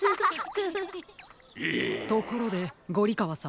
ところでゴリかわさん。